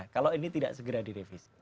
kalau ini tidak segera direvisi